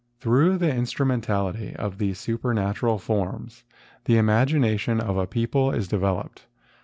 Through the instrumentality of these supernat¬ ural forms, the imagination of a people is devel¬ oped.